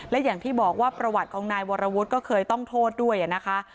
และอย่างที่บอกว่าประวัติของนายวรวุฒิก็เคยต้องโทษด้วยนะคะ